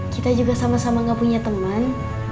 kita juga sama sama gak punya teman